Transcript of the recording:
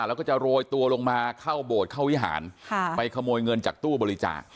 แล้วก็จะโรยตัวลงมาเข้าโบสถ์เข้าวิหารไปขโมยเงินจากตู้บริจาค